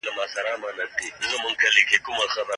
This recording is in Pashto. اسلام د طلاق صلاحيت خاوند ته ورکړی دی.